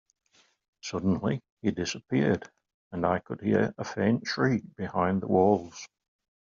Suddenly, he disappeared, and I could hear a faint shriek behind the walls.